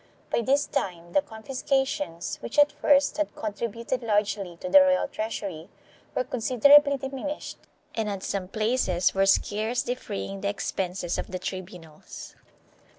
By this time the confiscations, which at first had contributed largely to the royal treasury, were con siderably diminished and at some places were scarce defraying the expenses of the tribunals.